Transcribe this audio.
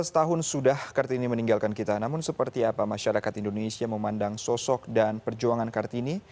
lima belas tahun sudah kartini meninggalkan kita namun seperti apa masyarakat indonesia memandang sosok dan perjuangan kartini